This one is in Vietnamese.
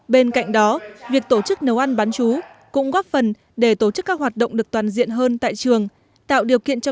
bên cạnh đó việc tổ chức lấu ăn tập trung cho học sinh ăn bán chú